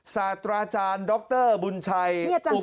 ศาตราอาจารย์ดรบุญชัยอุกกฤตชน